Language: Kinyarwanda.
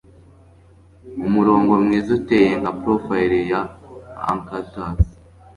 umurongo mwiza uteye nka profili ya acanthus